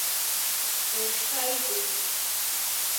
Уажәшьҭа иҵегьы.